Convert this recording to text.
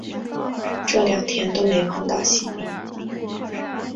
这两天都没碰到行李